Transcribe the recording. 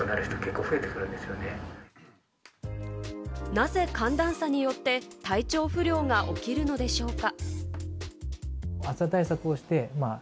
なぜ寒暖差によって体調不良が起きるのでしょうか？